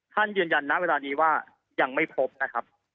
ยืนยันณเวลานี้ว่ายังไม่พบนะครับ